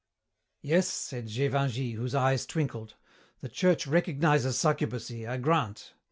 "Yes," said Gévingey, whose eyes twinkled. "The Church recognizes succubacy, I grant.